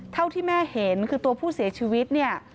เท่าที่แม่เห็นคือตัวผู้เสียชีวิตเนี่ย